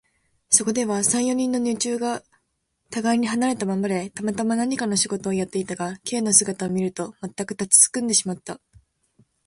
そこでは、三、四人の女中がたがいに離れたままで、たまたま何かの仕事をやっていたが、Ｋ の姿を見ると、まったく立ちすくんでしまった。